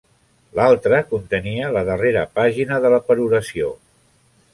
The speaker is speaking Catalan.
L'altre contenia la darrera pàgina de la peroració.